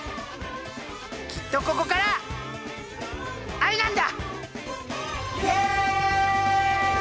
きっとここから藍なんだ！